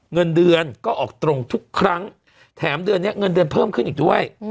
เงินเดือนก็ออกตรงทุกครั้งแถมเดือนนี้เงินเดือนเพิ่มขึ้นอีกด้วย